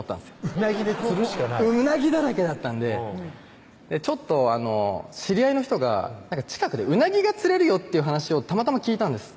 鰻で釣るしかない鰻だらけだったんでちょっと知り合いの人が近くで鰻が釣れるよっていう話をたまたま聞いたんです